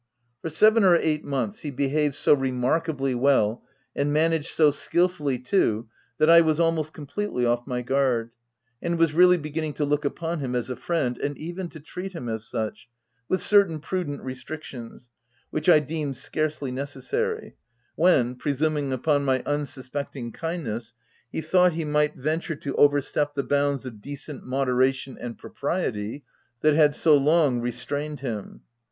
For seven or eight months, he behaved so remarkably well, and managed so skilfully too' that I was almost completely off my guard, and was really beginning to look upon him as a friend, and even to treat him as such, with cer tain prudent restrictions (which I deemed scarcely necessary) ; when, presuming upon my unsuspecting kindness, he thought he might venture to overstep the bounds of decent mo deration and propriety that had so long re tained him.